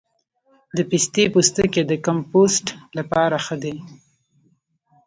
د پستې پوستکی د کمپوسټ لپاره ښه دی؟